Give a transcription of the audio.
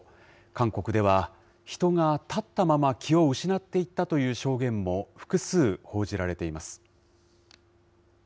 韓国では人が立ったまま気を失っていったという証言も複数報じられています。